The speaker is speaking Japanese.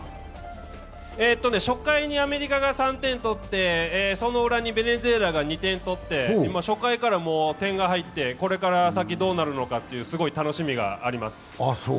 初回にアメリカが３点取ってそのウラにベネズエラが２点取って初回から点が入って、これから先、どうなるのかすごい楽しみがあります。